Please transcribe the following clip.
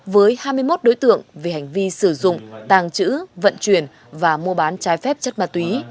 với hai mươi một đối tượng về hành vi sử dụng tàng trữ vận chuyển và mua bán trái phép chất ma túy